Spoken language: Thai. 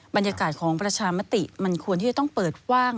บรรยากาศของประชามติมันควรที่จะต้องเปิดกว้าง